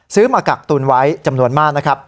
มากักตุนไว้จำนวนมากนะครับ